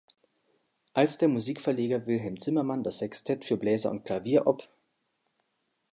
Als der Musikverleger Wilhelm Zimmermann das Sextett für Bläser und Klavier op.